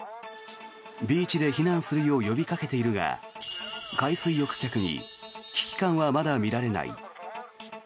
ビーチで避難するよう呼びかけているが海水浴客に危機感はまだみられない。